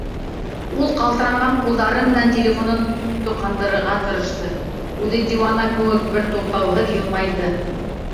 Ул ҡалтыранған ҡулдары менән телефонын тоҡандырырға тырышты, үҙе диуана кеүек бер туҡтауһыҙ йылмайҙы.